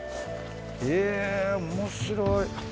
え面白い。